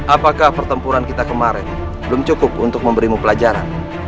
apakah pertempuran kita kemarin belum cukup untuk memberimu pelajaran